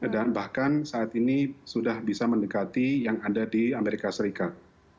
dan bahkan saat ini sudah bisa mendekati yang ada di amerika serikat